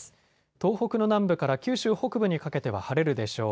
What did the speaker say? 東北の南部から九州北部にかけては晴れるでしょう。